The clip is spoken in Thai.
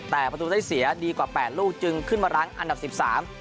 แต่ประตูได้เสียดีกว่าแปดลูกจึงขึ้นมารั้งอันดับสิบสาม